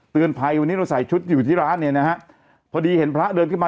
ภัยวันนี้เราใส่ชุดอยู่ที่ร้านเนี่ยนะฮะพอดีเห็นพระเดินขึ้นมา